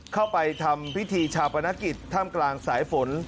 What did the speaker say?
เข้าไปทำพิธีชาปนกิจท่ามกลางสายฝน